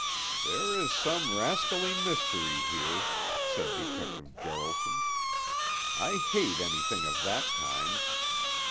"There is some rascally mystery here," said Detective Jaralson. "I hate anything of that kind."